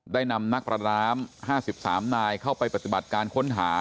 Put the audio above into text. ได้นำนักประดาน้ำ๕๓นายเข้าไปปฏิบัติการค้นหา